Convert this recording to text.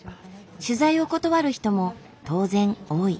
取材を断る人も当然多い。